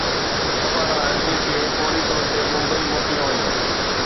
شبانه اعظمي کي فوري طور تي ممبئي موڪليو وڃي